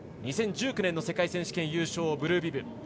２０１９年の世界選手権優勝ブルービブ。